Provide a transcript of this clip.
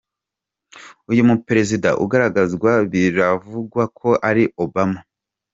Uyu muperezida ugaragazwa, biravugwa ko ari Obama.